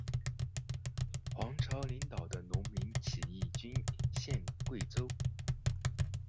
黄巢领导的农民起义军陷桂州。